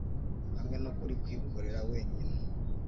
hamwe nukuri kwikorera wenyine